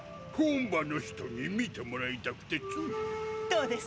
本場の人に見てもらいたくてつい。